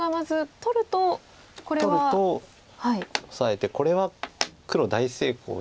取るとオサえてこれは黒大成功で。